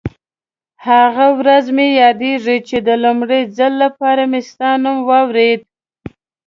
هغه ورځ مې یادېږي چې د لومړي ځل لپاره مې ستا نوم واورېد.